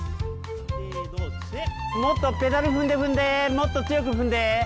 もっとペダル踏んで踏んでもっと強く踏んで。